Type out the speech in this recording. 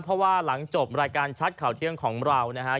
เพราะว่าหลังจบรายการชัดข่าวเที่ยงของเรานะฮะ